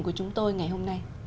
của chúng tôi ngày hôm nay